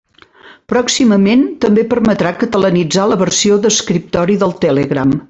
Pròximament, també permetrà catalanitzar la versió d'escriptori del Telegram.